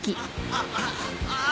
ああああ。